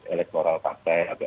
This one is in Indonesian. elektoral partai atau